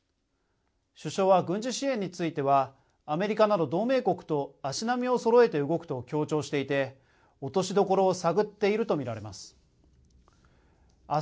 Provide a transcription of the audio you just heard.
首相は軍事支援についてはアメリカなど同盟国と足並みをそろえて動くと強調していて落としどころを探っていると見られます。